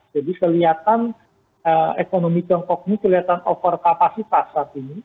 jadi kelihatan ekonomi tiongkok ini kelihatan over kapasitas saat ini